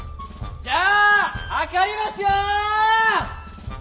じゃあ測りますよ！